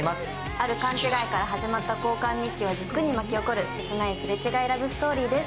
ある勘違いから始まった交換日記を軸に巻き起こる切ないすれ違いラブストーリーです。